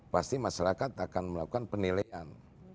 pasti masyarakat akan melakukan penilaian